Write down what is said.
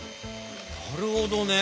なるほどね！